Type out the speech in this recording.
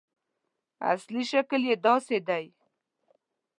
اصلي شکل یې داسې دی.